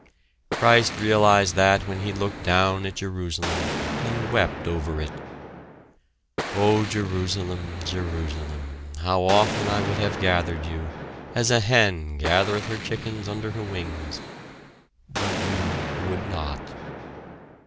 Christ realized that when he looked down at Jerusalem, and wept over it: "O Jerusalem, Jerusalem, how often I would have gathered you, as a hen gathereth her chickens under her wings, but you would not."